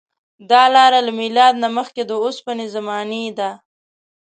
دا لاره له میلاد نه مخکې د اوسپنې زمانې ده.